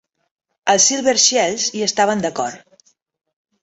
Els Silver Shields hi estaven d'acord.